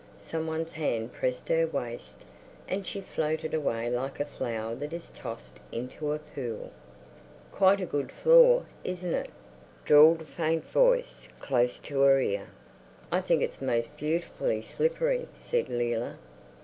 Some one's hand pressed her waist, and she floated away like a flower that is tossed into a pool. "Quite a good floor, isn't it?" drawled a faint voice close to her ear. "I think it's most beautifully slippery," said Leila.